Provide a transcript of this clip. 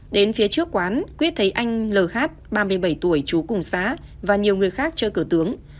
đến phía trước quán quyết thấy anh lh ba mươi bảy tuổi chú cùng xã và nhiều người khác chơi cửa tướng